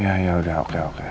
ya yaudah oke oke